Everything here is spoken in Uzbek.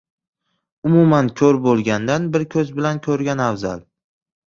• Umuman ko‘r bo‘lgandan bir ko‘z bilan ko‘rgan afzal.